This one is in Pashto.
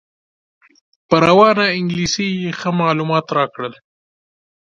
په روانه انګلیسي یې ښه معلومات راکړل.